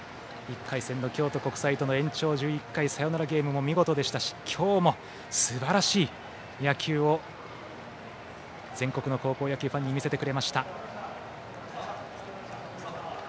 １回戦の京都国際との延長１１回のサヨナラゲームも見事でしたし今日もすばらしい野球を全国の高校野球ファンに見せてくれました。